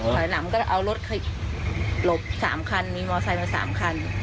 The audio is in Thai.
ถอยหลังก็เอารถหลบ๓คันมีมอไซค์มา๓คัน